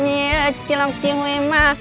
cilok cari lok di cilokan